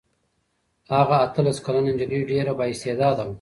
هغه اتلس کلنه نجلۍ ډېره بااستعداده وه.